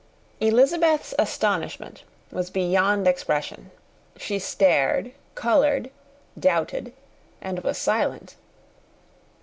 Elizabeth's astonishment was beyond expression. She stared, coloured, doubted, and was silent.